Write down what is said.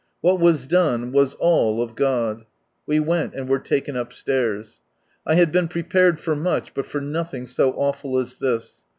What was done, was all of God. We went, and were taken upstairs. 1 had been prepared for much, but for nothing so awful as this.